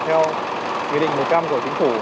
theo quy định một trăm linh của chính phủ